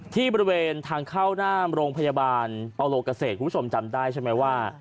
ที่บริเวณทางเข้าหน้าโรงพยาบาลอโลเกษตรคุณผู้ชมจำได้ใช่ไหมว่า